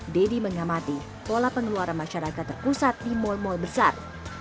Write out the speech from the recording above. deddy mengamati pola pengeluaran masyarakat terpusat di mal mal besar